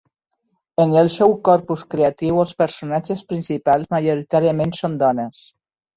En el seu corpus creatiu, els personatges principals majoritàriament són dones.